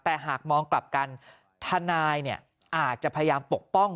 แต่หากมองกลับกันทนายเนี่ยอาจจะพยายามปกป้อง